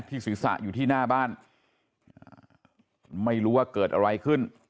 ศีรษะอยู่ที่หน้าบ้านไม่รู้ว่าเกิดอะไรขึ้น